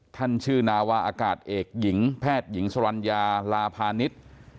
ท่านชื่อนาวาอากาศเอกหญิงแพทย์หญิงสรรญาลาพาณิชย์